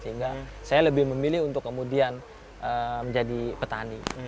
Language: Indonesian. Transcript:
sehingga saya lebih memilih untuk kemudian menjadi petani